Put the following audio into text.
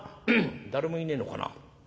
誰もいねえのかな？